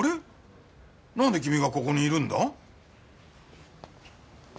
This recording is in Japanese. なんで君がここにいるんだ？